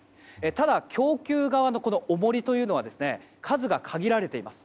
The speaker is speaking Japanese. ただ、供給側のおもりは数が限られています。